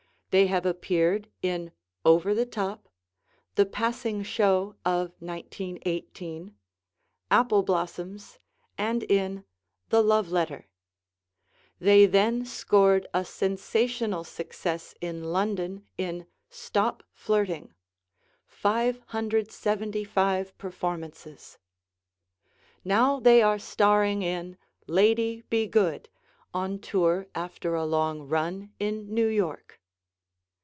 They have appeared in "Over the Top," "The Passing Show of 1918," "Apple Blossoms," and in "The Love Letter." They then scored a sensational success in London in "Stop Flirting" (575 performances). Now they are starring in "Lady, Be Good," on tour after a long run in New York.